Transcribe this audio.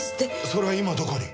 それは今どこに！？